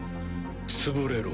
潰れろ。